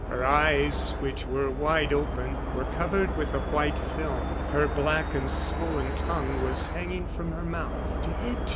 Her eyes, which were wide open, were covered with a white film; her black and swollen tongue was hanging from her mouth. "Dead!"